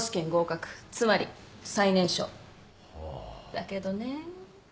だけどねぇ。